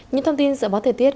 những thông tin dựa bó thời tiết